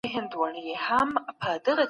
دارغنداب سیند د ګڼو نوعو ونو کوربه دی.